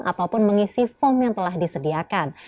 ataupun mengisi form yang telah disediakan